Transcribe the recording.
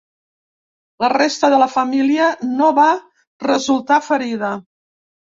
La resta de la família no va resultar ferida.